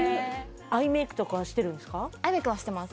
アイメイクとかはしてるんですか？